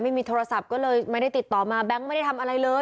ไม่มีโทรศัพท์ก็เลยไม่ได้ติดต่อมาแบงค์ไม่ได้ทำอะไรเลย